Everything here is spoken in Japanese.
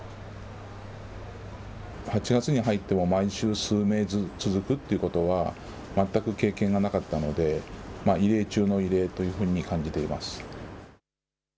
８月に入っても毎週数名続くということは、全く経験がなかったので、異例中の異例というふうに感じています。